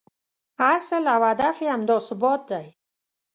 اصل او هدف یې همدا ثبات دی.